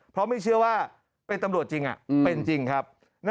เพราะไม่เชื่อว่าเป็นตำรวจจริงเป็นจริงครับ